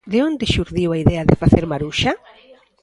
De onde xurdiu a idea de facer Maruxa?